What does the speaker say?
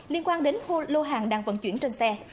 liên quan đến lô hàng đang vận chuyển trên xe